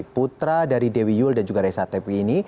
putra dari dewi yul dan juga reza tepi ini